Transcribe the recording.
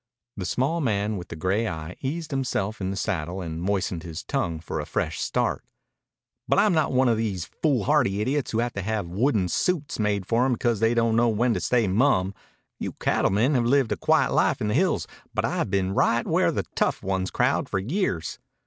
The small man with the gray eye eased himself in the saddle and moistened his tongue for a fresh start. "But I'm not one o' these foolhardy idiots who have to have wooden suits made for 'em because they don't know when to stay mum. You cattlemen have lived a quiet life in the hills, but I've been right where the tough ones crowd for years.